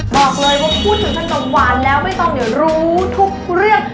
บอกเลยว่าพูดถึงขนมหวานแล้วไม่ต้องเดี๋ยวรู้ทุกเรื่อง